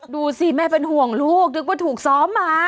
ดูสิแม่เป็นห่วงลูกนึกว่าถูกซ้อมมา